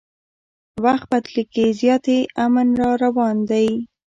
وخت بدلیږي زیاتي امن راروان دي